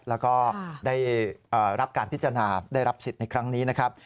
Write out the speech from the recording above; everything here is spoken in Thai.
แล้วก็ได้รับการพิจารณาได้รับสิทธิ์ในครั้งนี้นะครับ